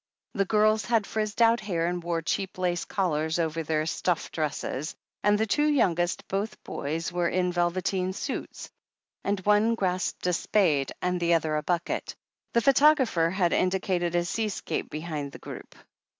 The girls had frizzed out hair, and wore cheap lace collars over their stuff dresses, and the two youngest, both boys, were in velveteen suits, and one grasped a spade ^ and the other a bucket. The photographer had indi cated a sea scape behind the group.